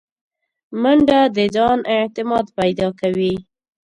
منډه د ځان اعتماد پیدا کوي